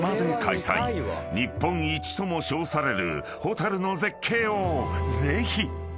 ［日本一とも称されるホタルの絶景をぜひ！］